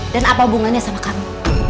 dan apa hubungannya sama kamu